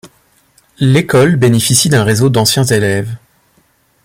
L'école bénéficie d'un réseau d'anciens élèves.